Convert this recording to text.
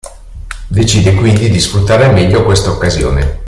Decide quindi di sfruttare al meglio questa occasione.